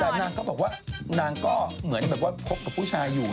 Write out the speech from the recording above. แต่นางก็บอกว่านางก็เหมือนแบบว่าคบกับผู้ชายอยู่